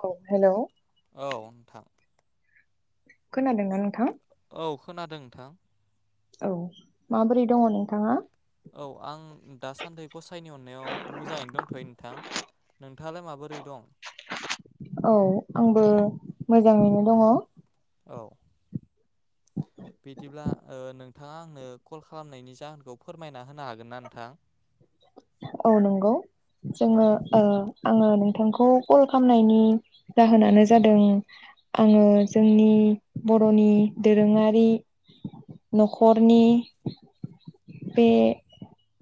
औ हेल' औ नोंथां खोनादोंना नोंथां औ खोनादों नोंथां औ माबोरै दङ नोंथाङा औ आं दासान्दि गसाइनि अननायाव मोजाङैनो दंथ'यो नोंथां नोंथाङालाय माबोरै दं औ आंबो मोजाङैनो दङ औ बिदिब्ला ओ नोंथाङा आंनो कल खालामनायनि जाहोनखौ फोरमायना होनो हागोन ना नोंथां औ नंगौ औ जोङोओ आङो नोंथांखौ कल खालामनायनि जाहोनानो जादों आङो जोंनि बर'नि दोरोङारि न'खरनि बे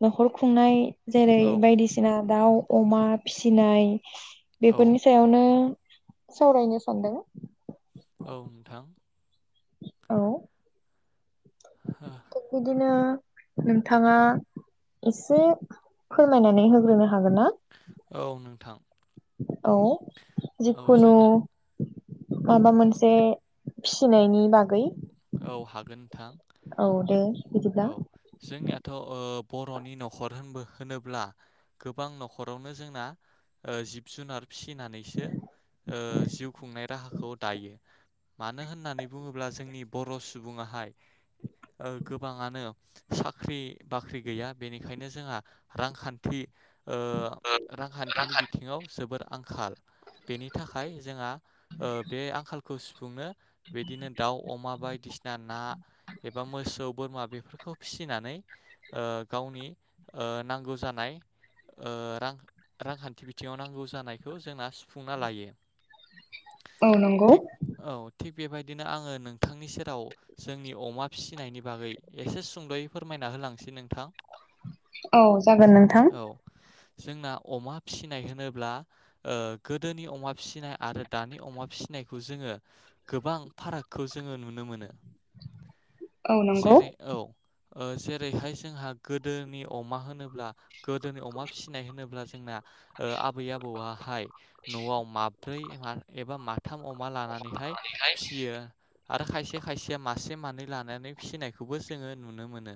न'खर खुंनाय जेरै औ बायदिसिना दाउ अमा फिसिनाय औ बेफोरनि सायावनो सावरायनो सानदों औ नोंथां औ बिदिनो नोंथाङा एसे फोरमायनानै होग्रोनो हागोन ना औ नोंथां औ औ जिखुनु जोंना माबा मोनसे फिसिनायनि बागै औ हागोन नोंथां औ दे बिदिब्ला औ जोंनियाथ' बर'नि न'खर होन होनोब्ला गोबां न'खरावनो जोंना जिब जुनार फिसिनानैसो जिउ खुंनाय राहाखौ दायो मानो होननानै बुङोब्ला जोंनि बर' सुबुङाहाय गोबाङानो साख्रि बाख्रि गैया बेनिखायनो जोंहा रांखान्थि ओ, रांखान्थिनि बिथिङाव जोबोर आंखाल बेनि थाखाय जोंहा बे आंखालखौ सुफुंनो बिदिनो दाउ अमा बायदिसिना ना एबा मोसौ बोरमा बेफोरखौ फिसिनानै ओ गावनि ओ नांगौ जानाय ओ रां रांखान्थि बिथिङाव नांगौ जानायखौ जोंना सुफुंना लायो औ नंगौ थिग औ थिग बेबायदिनो आङो नों नोंथांनि सेराव जोंनि अमा फिसिनायनि बागै एसे सुंद'यै फोरमायना होलांसै नों औ जागोन नोंथां औ जोंना अमा फिसिनाय होनोब्ला गोदोनि अमा फिसिनाय आरो दानि अमा फिसिनाय जोङो गोबां फाराग जोङो नुनो मोनो औ नंगौ जेरै औ ओ जेरैहाय जोंहा गोदोनि अमा होनोब्ला गोदोनि अमा फिसिनाय होनोब्ला जोंना ओ आबै आबौाहाय न'आव माब्रै एबा माथाम अमा लानानैहाय ओमफ्राय फियो आरो खायसे खायसेया मासे मानै लानानै फिसिनायखौबो जोङो नुनो मोनो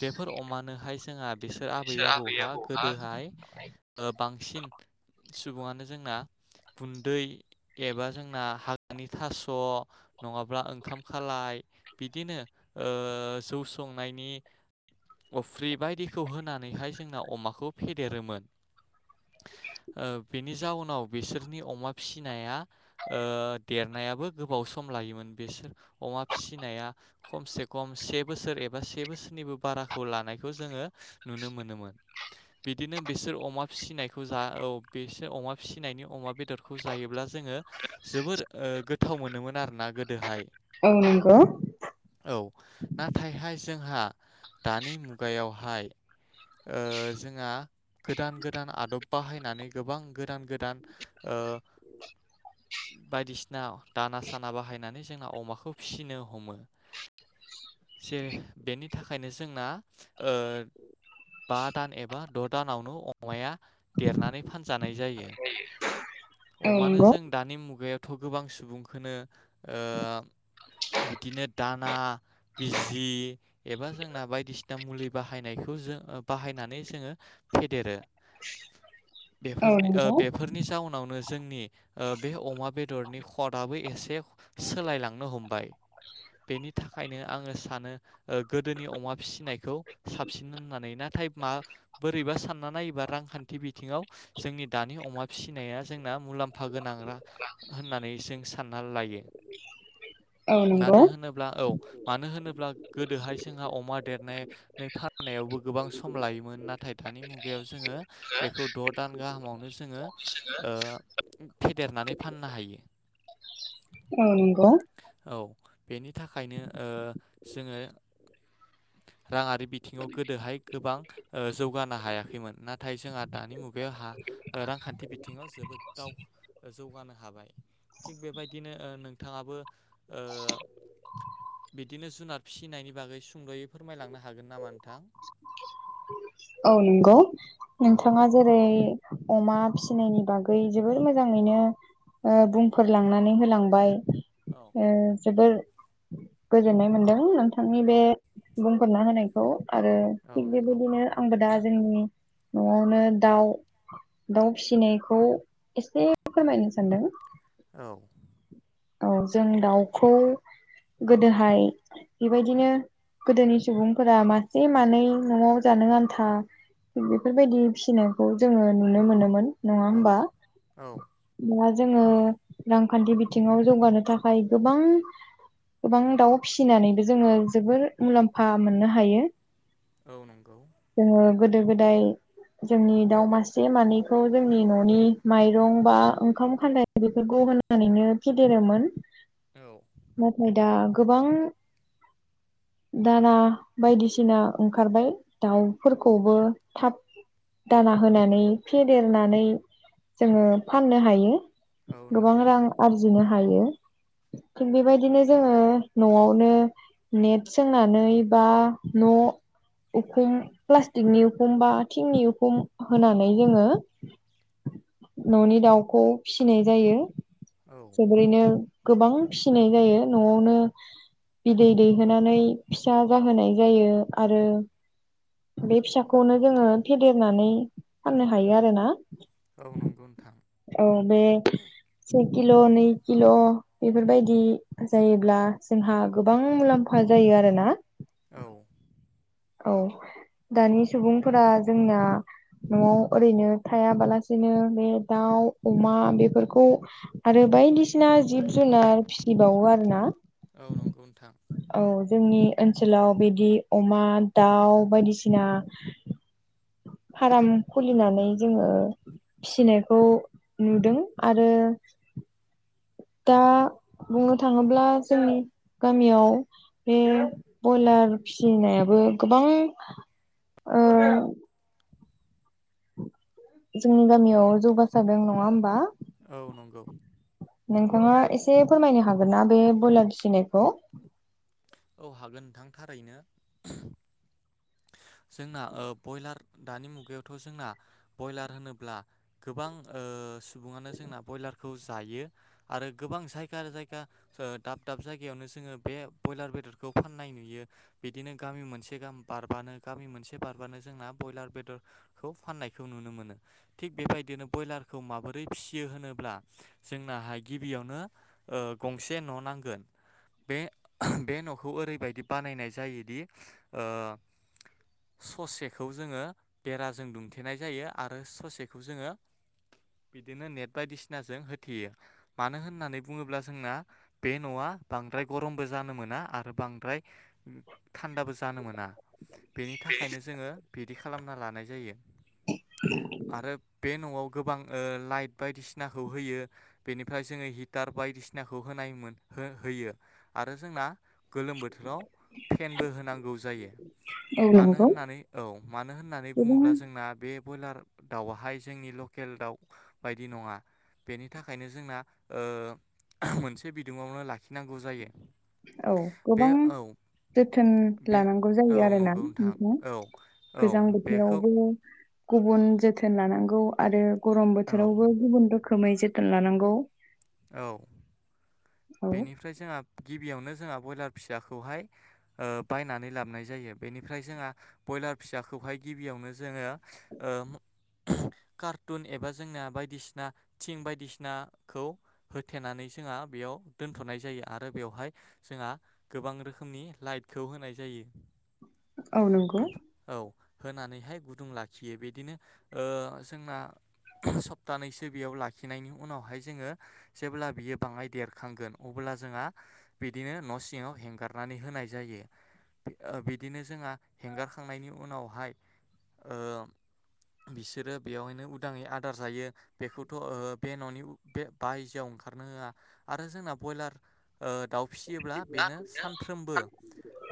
बेफोर अमानोहाय जोंहा बिसोर आबै आबौहा गोदोहाय ओ बांसिन सुबुङानो जोंना गुन्दै एबा जोंना हाग्रानि थास' नङाब्ला ओंखाम खालाय बिदिनो ओ जौ संनायनि अफ्रि बायदिखौ होनानैहाय जोंना अमाखौ फेदेरोमोन बेनि जाउोनाव बिसोरनि अमा फिसिनाया ओ देरनाय गोबाव सम खमलायोमोन बिसोर अमा फिसिनाया खमसे खम से बोसोर एबा से बोसोरनिबो बारा लानायखौ जोङो नुनो मोन बिदिनो बिसोर अमा फिसिनायखौ जा औ बेसो अमा फिसिनायनि अमा बेदरखौ जायोब्ला जोङो जोबोर ओ गोथाव मोनोमोन आरोना गोदोहाय औ नंगौ औ नाथाय हाय जोंहा दानि मुगायावहाय जोंहा गोदान गोदान आदब बाहायनानै गोबां गोदान गोदान बायदिसिना दाना साना बाहायनानै जोंना अमाखौ फिसिनो हमो जेरै बेनि थाखायनो जोंना ओ बा दान एबा द' दानावनो अमाया देरनानै फानजानाय जायो [inaudible] अमानो नंगौ जों दानि मुगायावथ' गोबां सुबुंखौनो बिदिनो दाना बिजि एबा जोंना बायदिसिना मुलि बाहायनायखौ जो बाहायनानै जोङो फेदेरो [inaudible] बेफोरनि नंगौ बेफोरनि जाउनावनो जोंनि बे अमा बेदरनि खवादआबो एसे सोलायलांनो हमबाय बेनि थाखायनो आङो सानो गोदोनि अमा फिसिनायखौ साबसिन होननानै ना नाथाय मा बोरैबा सानना नायोबा रांखान्थि बिथिङाव जोंनि दानि अमा फिसिनाया जोंना ओ मुलाम्फा गोनां रा होननानै जों सानना लायो। औ नंगौ मानो होनोब्ला औ मानो होनोब्ला गोदोहाय जोंहा अमा देरनानै फाननायावबो गोबां सम लायोमोन नाथाय नाथाय दानि मुगायाव जोङो बेखौ द' दान गाहामावनो जोङो फेद देरनानै फाननो हायो। औ नंगौ। औ बेनि थाखायनो ओ जोङो। रांङारि बिथिङाव गोदोहाय गोबां ओ जौगाना हायाखैमोन नाथाय जोंहा दानि। मुगाया हा ओ रांखान्थि बिथिङाव जोबोद दाव जौगानो हाबाय। थिग बेबायदिनो नोंथाङाबो ओ बिदिनो जुनार फिसिनायनि बागै सुंद'यै फोरमायलांनो हागोन नामा नोंथां। औ नंगौ औ नोंथाङा जेरै अमा फिसिनायनि बागै जोबोर मोजाङैनो ओ बुंफोर लांनानै होलांबाय। ओ जोबोर गोजोननाय मोनदों नों बिथांनि बे औ बुंफोरना होनायखौ आरो औ थिग नंगौ बेबायदिनो आंबो दा जोंनि न'आवनो दाउ दाउ फिसिनायखौ एसे फोरमायनो सानदों। औ औ जों दाउखौ गोदोहाय। बेबायदिनो गोदोनि सुबुंफोरा मासे मानै न'आव जानो आन्था। बेफोरबायदि फिसिनायखौ जोङो नुनो मोनोमोन। नङा औ होमबा औ दा जोङो रांखान्थि बि थिंङाव जौगानो थाखाय गोबां। गोबां दाउ फिसिनानैबो जोङो जोबोर मुलाम्फा मोननो हायो। औ नंगौ। जोङो गोदो गोदाय जोंनि दाउ मासे मानैखौ जोंनि न'नि माइरं बा ओंखाम खालाय बेफोरखौ फेदेरोमोन औ नाथाय दा गोबां [inaudible] दाना बायदिसिना ओंखारबाय दाउफोरखौबो थाब। दाना होनानै फेदेरनानै जोङो फाननो हायो। औ नंगौ नोंथां। नो हायो थिग बेबायदिनो जोङो न'आवनो नेट सोंनानै बा [inaudible] उखुम बा प्लास्टिकनि उखुम बा थिंनि उखुम होनानै जोङो न'नि दाउखौ फिसिनाय जायो औ जोबोरैनो गोबां फिसिनाय जायो न'आवनो बिदै दैहोनानै फिसा जाहोनाय जायो आरो बे फिसाखौनो जोङो फेदेरनानै फाननो हायो आरोना औ नंगौ नोंथां औ बे किल' नै किल' बेफोरबायदि जायोब्ला जोंहा गोबां मुलाम्फा जायो आरो ना औ। औ दानि सुबुंफोरा जोंना न'आव ओरैनो थायाबालासिनो। बे दाउ अमा बेफोरखौ आरो बायदिसिना जिब जुनार फिसिबाव [unintelligible] औ नंगौ नोंथां। जोंनि ओनसोलाव बेदि अमा दाउ बायदिसिना। फाराम खुलिनानै जोङो। फिसिनायखौ नुदों आरो। दा बुंनो थाङोब्ला जोंनि गामियाव बे बयलार फिसिनायाबो गोबां ओ। जोंनि गामियाव जौगासादों नङा होमबा औ नंगौ। नोंथाङा एसे फोरमायनो हागोनना बे ब्रयलार फिसिनायखौ औ हागोन नोंथां थारैनो। जोंना ओ बयलार। दानि मुगायावथ' जोंना ब्रयलार होनोब्ला गोबां सुबुङानो जोंना ब्रयलार जायो आरो गोबां जायगा जायगा दाब दाब जायगायावनो जों बे बयलार बेदरखौ फाननाय नुयो बिदिनो गामि मोनसे बारबानो गामि मोनसे बारबानो जोंना बयलार बेदरखौ फाननायखौ नुनो मोनो थिग बेबायदिनो बयलार। खौ माबोरै फिसियो होनोब्ला जोंनाहाय गिबियावनो गंसे न' नांगोन [inaudible] बे ओहोम बे न'खौ ओरैबायदि बानायनाय जायोदि ओ। ससेखौ जोङो बेराजों दुंथेनाय जायो आरो ससेखौ जोङो बिदिनो नेट बायदिसिनाजों होथेयो मानो होन्नानै बुङोब्ला जोंना बे न'आ। आ बांद्राय गरमबो जानो मोना आरो बांद्राय उम थान्दाबो जानो मोना। बेनि थाखायनो जोङो बिदि खालामना लानाय जायो। आरोब। बे न'आव गोबां ओ लाइट बायदिसिनाखौ होयो बेनिफ्राय जोङो हिटार बायदिसिनाखौ हो। होयो आरो जोंना गोलोम बोथोराव फेनबो होनांगौ जायो। औ मानो नंगौ होन्नानै औ मानो होन्नानै बुङोब्ला गोबां जोंना बे बयलार दाउआ। हाय जोंनि लकेल दाउ बायदि नङा बेनि थाखायनो जोंना ओ। मोनसे बिदुङावनो लाखिनांगौ जायो औ बे गोबां औ जोथोन बे लानांगौ औ जायो आरोना नंगौ उ नोंथां उ औ औ गोजां बेखौ बोथोरावबो गुबुन जोथोन लानांगौ आरो। गरम औ बोथोरावबो गुबुन रोखोमै जोथोन लानांगौ। औ औ बेनिफ्राय जोंहा गिबियावनो जोंहा ब्रयलार फिसाखौहाय बायनानै लाबोनाय जायो बेनिफ्राय जोंहा बयलार फिसाखौहाय गिबियावनो जोङो ओम। कारटुन एबा जोंना बायदिसिना थिं बायदिसिनाखौ होथेनानै जोंहा बेयाव दोनथ'नाय जायो आरो बेवहाय जोंहा गोबां रोखोमनि लाइटखौ होनाय जायो औ नंगौ ओमफा औ। होनानैहाय गुदुं लाखियो बिदिनो जोंना सप्तानैसो बेयाव लाखिनायनि उनावहाय जोङो जेब्ला बियो बाङाय देरखांगोन अब्ला ब्ला जोंङा बिदिनो न' सिङाव हेंगारनानै होनाय जायो बे ओ बिदिनो। जोंङा हेंगारखांनायनि उनावहाय ओ। बिसोरो बेवहायनो उदाङै आदार जायो बेखौथ' बे न'नि बे बायजोआव ओंखारनो होआ आरो जोंना बयलार ओ दाव। फिसियोब्ला बेनो सानफ्रोमबो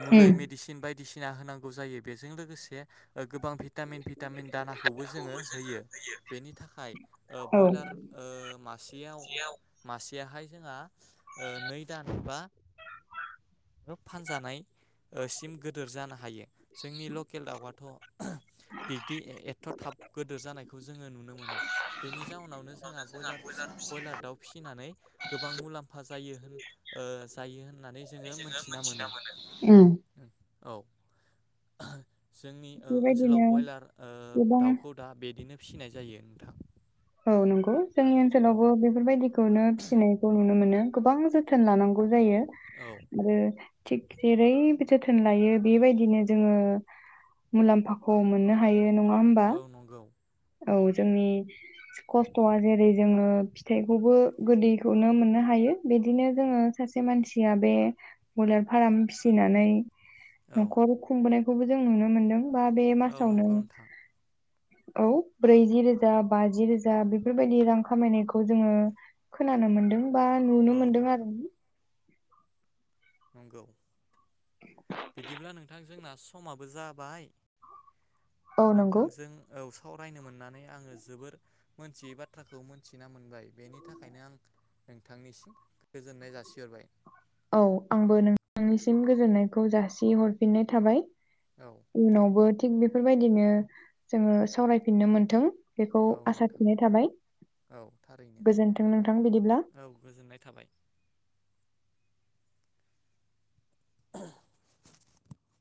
मुलै उम मेदिसिन बाय बायदिसिना होनांगौ जायो बेजों लोगोसे गोबां भिटामिन भिटामिन दानाखौबो जोङो होयो बेनि थाखाय ओ औ बयलार ओ। ओ मासेयाव मासेहाय जोंहा ओ नै दान बा। फानजानाय सिम गो जानो हायो जोंनि लकेल दाउवा थ ओ बिब्दि ए एथ' थाब गोदोर जानायखौ जोङो नुनो मोना बेनि जाउन जोंना ब्रयलार दाउ फिसिनानै गोबां मुलाम्फा जायो जायो। बेयो होन्नानै जोङो मोनथिना मोनो। [inaudible] औ जोंनि ओ ओनसोलाव बेबायदिनो बयलार ओ गोबां दाउखौ दा बिदिनो फिसिनाय जायो नोंथां औ नंगौ जोंनि औ ओन्सोलावबो बेफोरबायदिखौनो फिसिनायखौ नुनो मोनो। गोबां जोथोन लानांगौ जायो औ आरो थिग जेरैबो जोथोन लायो बेबायदिनो जोङो मुलाम्फाखौ मोननो हायो। नङा होमबा? औ नंगौ औ जोंनि खस्थ'आ जेरै जोङो फिथाइखौबो गोदैखौनो मोननो हायो बिदिनो जोङो सासे मानसिया बे बयलार फार्म फिसिनानै औ न'खर खुंबोनायखौबो जों नुनो मोनदों बा बे औ मासावनो नंगौ नोंथां औ ब्रैजि रोजा बाजि रोजा बेफोरबायदि रां खामायनायखौ जोङो खोनानो मोनदों बा आं नुनो औ मोनदों नोंथां आरो। नंगौ बिदिब्ला नोंथां जोंना सम औ नंगौ नोंथांजों औ सावरायनो मोन्नानै आङो जोबोर मोनथियै बाथ्राखौ मोनथिना मोन बाय बेनि थाखायनो आं नोंथांनिसिम गोजोननाय जासिहरबाय औ आंबो नोंथांनिसिम गोजोननायखौ जासिहरफिननाय थाबाय औ इनावबो थिग बेफोरबायदिनो जोङो सावरायफिननो मोनथों बेखौ औ आसा नोंथां थिनाय थाबाय औ थारैनो गोजोन्थों नोंथां बिदिब्ला। औ गोजोननाय थाबाय। [inaudible] [inaudible]